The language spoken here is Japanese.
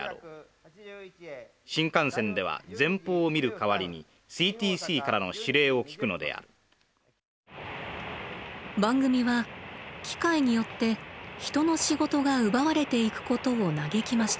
新幹線では前方を見る代わりにＣＴＣからの指令を聞くのである番組は機械によって人の仕事が奪われていくことを嘆きました。